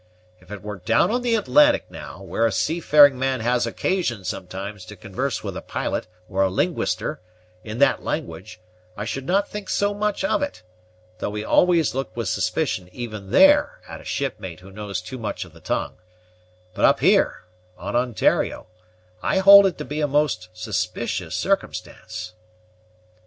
If it were down on the Atlantic, now, where a seafaring man has occasion sometimes to converse with a pilot, or a linguister, in that language, I should not think so much of it, though we always look with suspicion, even there, at a shipmate who knows too much of the tongue; but up here, on Ontario, I hold it to be a most suspicious circumstance."